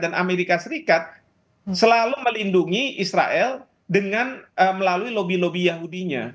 amerika serikat selalu melindungi israel dengan melalui lobby lobby yahudinya